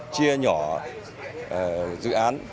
chia nhỏ dự án